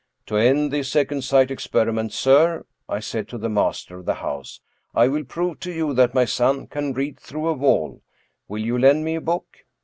"To end the second sight experiment, sir," I said to the master of the house, " I will prove to you that my son can read through a wall. Will you lend me a book?